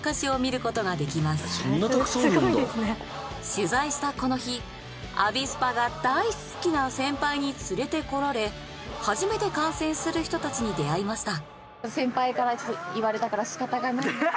取材したこの日アビスパが大好きな先輩に連れてこられ初めて観戦する人たちに出会いました。